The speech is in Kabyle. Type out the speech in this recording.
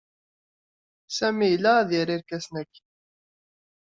Sami yella ad yerr irkasen-agi.